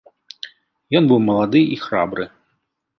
Ён быў малады і храбры.